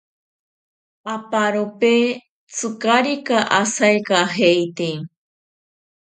Aparope tsikarika asaikajeite.